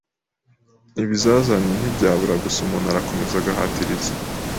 Ibizazane ntibyabura gusa umuntu arakomeza agahatiriza